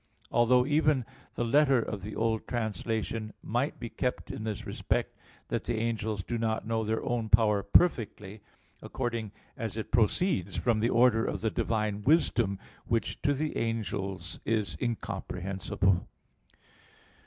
Although even the letter of the old translation might be kept in this respect, that the angels do not know their own power perfectly; according as it proceeds from the order of the Divine Wisdom, Which to the angels is incomprehensible.